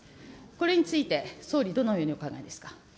これについて、総理、どのようにお考えですか。